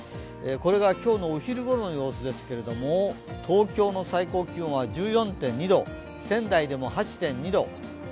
これが今日のお昼ごろの様子ですけれども東京の最高気温は１４．２度、仙台でも８．２度。